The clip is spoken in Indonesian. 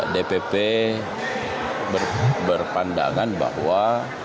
dpp berpandangan bahwa